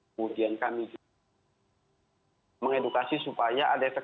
kemudian kami juga mengedukasi supaya ada efek